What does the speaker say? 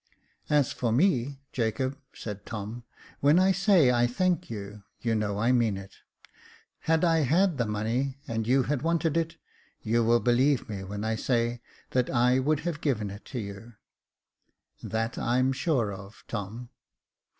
" As for me, Jacob," said Tom, " when I say I thank you, you know I mean it. Had I had the money, and you had wanted it, you will believe me when I say that I would have given it to you." '* That I'm sure of, Tom."